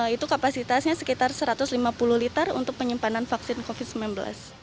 itu kapasitasnya sekitar satu ratus lima puluh liter untuk penyimpanan vaksin covid sembilan belas